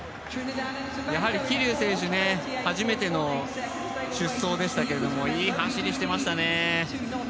桐生選手ね、初めての出走でしたけれども、いい走りしていましたね。